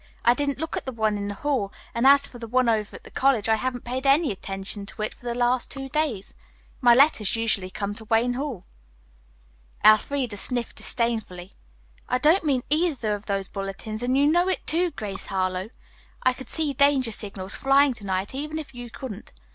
"I didn't look at the one in the hall and as for the one over at the college, I haven't paid any attention to it for the last two days. My letters usually come to Wayne Hall." Elfreda sniffed disdainfully. "I don't mean either of those bulletin boards, and you know it, too, Grace Harlowe. I could see danger signals flying to night, even if you couldn't.